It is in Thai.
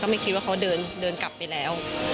ไม่คิดว่าเขาเดินกลับไปแล้ว